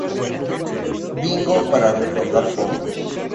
Bingo para recaudar fondos.